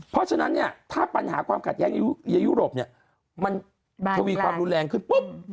เพราะฉะนั้นเนี่ยถ้าปัญหาความขัดแย้งในยุโรปเนี่ยมันทวีความรุนแรงขึ้นปุ๊บ